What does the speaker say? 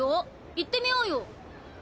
行ってみようよ。